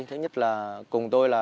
thứ nhất là cùng tôi là